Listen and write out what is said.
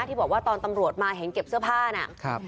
ที่บอกว่าตอนตำรวจมาเห็นเก็บเสื้อผ้าน่ะ